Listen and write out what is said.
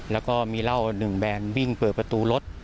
แล้วก็มีเหล้า๑แบนวิ่งเปิดประตูรถ